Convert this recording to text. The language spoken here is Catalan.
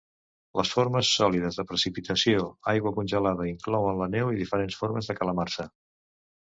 Les formes sòlides de precipitació, aigua congelada, inclouen la neu i diferents formes de calamarsa.